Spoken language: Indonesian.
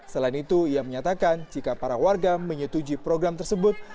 selain itu ia menyatakan jika para warga menyetujui program tersebut